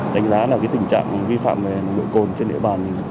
đánh giá là tình trạng vi phạm về nồng đội côn trên địa bàn